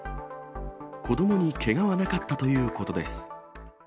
子どもにけがはなかったということです。